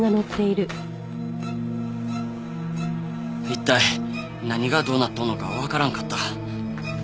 一体何がどうなっとんのかわからんかった。